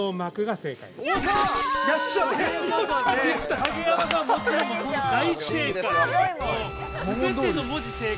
◆影山さん、大正解。